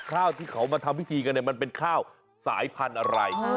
ข้าวที่เขามาทำพิธีกันเนี่ยมันเป็นข้าวสายพันธุ์อะไร